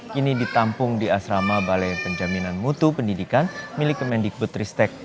kini ditampung di asrama balai penjaminan mutu pendidikan milik kemendikbud ristek